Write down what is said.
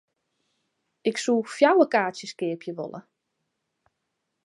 Ik soe fjouwer kaartsjes keapje wolle.